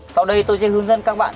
sau đây tôi sẽ hướng dẫn các bạn